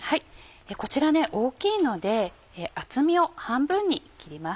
こちら大きいので厚みを半分に切ります。